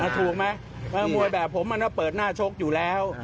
ถูกไหมมวยแบบผมมันก็เปิดหน้าชกอยู่แล้ว